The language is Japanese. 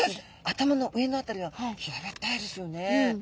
頭の上の辺りは平べったいですよね。